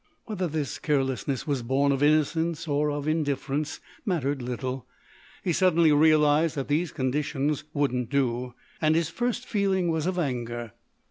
Whether this carelessness was born of innocence or of indifference mattered little; he suddenly realised that these conditions wouldn't do. And his first feeling was of anger.